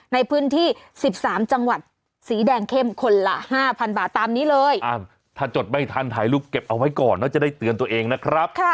ในพื้นที่๑๓จังหวัดสีแดงเข้มคนละ๕๐๐บาทตามนี้เลยถ้าจดไม่ทันถ่ายรูปเก็บเอาไว้ก่อนแล้วจะได้เตือนตัวเองนะครับ